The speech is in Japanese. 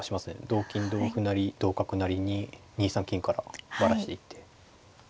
同金同歩成同角成に２三金からバラしていって。